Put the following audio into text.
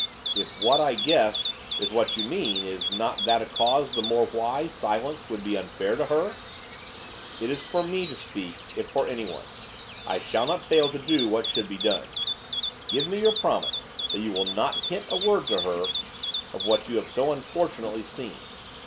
'If what I guess is what you mean is not that a cause the more why silence would be unfair to her?' 'It is for me to speak, if for anyone. I shall not fail to do what should be done. Give me your promise that you will not hint a word to her of what you have so unfortunately seen?